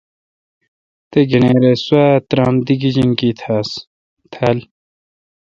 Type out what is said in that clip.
تے°گنیر اے°سوا ترامدی گجینکی تھال۔